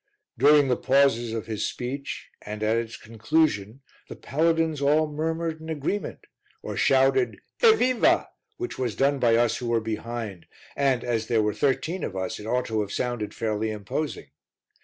During the pauses of his speech and at its conclusion the paladins all murmured in agreement or shouted "Evviva" which was done by us who were behind and, as there were thirteen of us, it ought to have sounded fairly imposing.